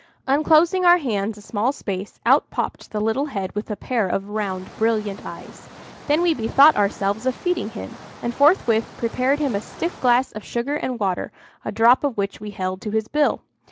Unclosing our hands a small space, out popped the little head with a pair of round brilliant eyes. Then we bethought ourselves of feeding him, and forthwith prepared him a stiff glass of sugar and water, a drop of which we held to his bill.